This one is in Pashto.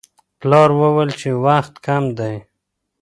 پلار وویل چې وخت کم دی.